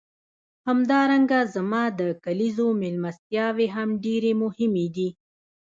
همدارنګه زما د کلیزو میلمستیاوې هم ډېرې مهمې دي.